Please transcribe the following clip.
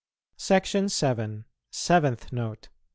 SECTION VII. SEVENTH NOTE.